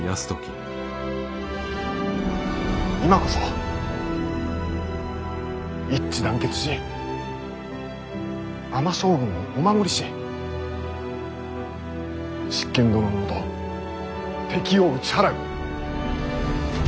今こそ一致団結し尼将軍をお守りし執権殿のもと敵を打ち払う。